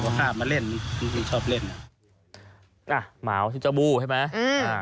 ก็คาบมาเล่นนี่ชอบเล่นอ่ะหมาวชื่อเจ้าบูเห็นไหมอืมอ่า